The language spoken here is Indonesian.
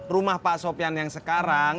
rumah pak sopian yang sekarang